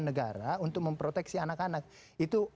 negara untuk memproteksi anak anak itu